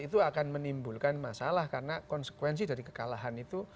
itu akan menimbulkan masalah karena konsekuensi dari kekalahan itu